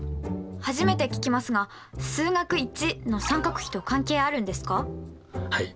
初めて聞きますが「数学Ⅰ」の三角比と関係あるんですか？はい。